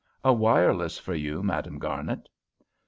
"A wireless for you, Madame Garnet."